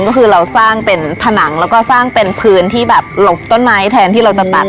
ก็คือเราสร้างเป็นผนังแล้วก็สร้างเป็นพื้นที่แบบหลบต้นไม้แทนที่เราจะตัด